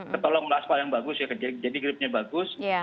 ketolong asfal yang bagus ya jadi gripnya bagus